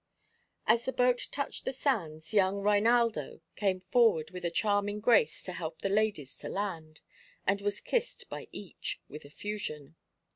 As the boat touched the sands young Reinaldo came forward with a charming grace to help the ladies to land, and was kissed by each, with effusion.